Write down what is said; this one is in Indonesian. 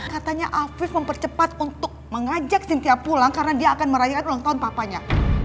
katanya afif mempercepat untuk mengajak cynthia pulang karena dia akan merayakan ulang tahun papanya